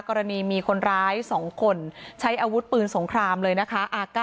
กรณีมีคนร้าย๒คนใช้อาวุธปืนสงครามเลยนะคะ